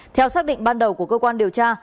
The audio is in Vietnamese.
theo xác định ban đầu của cơ quan điều tra